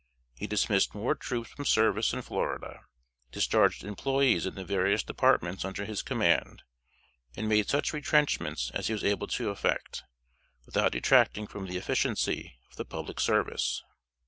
He dismissed more troops from service in Florida; discharged employees in the various departments under his command, and made such retrenchments as he was able to effect, without detracting from the efficiency of the public service.